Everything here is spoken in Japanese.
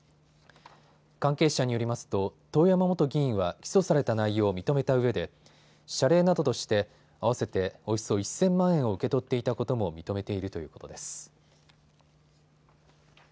関係者によりますと遠山元議員は起訴された内容を認めたうえで謝礼などとして合わせておよそ１０００万円を受け取っていたことも認めているということです。